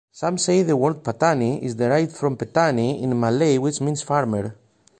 Some say the word Pattani is derived from "Petani" in Malay which means "farmer".